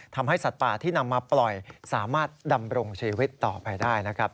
ทำให้สัตว์ป่าที่นำมาปล่อยสามารถดำรงชีวิตต่อไปได้นะครับ